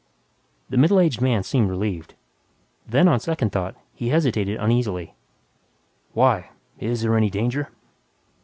The middle aged man seemed relieved. Then, on second thought, he hesitated uneasily, "Why? Is there any danger?"